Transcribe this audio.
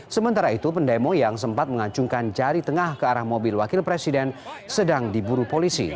sementara itu pendemo yang sempat mengacungkan jari tengah ke arah mobil wakil presiden sedang diburu polisi